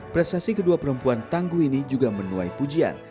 prestasi kedua perempuan tangguh ini juga menuai pujian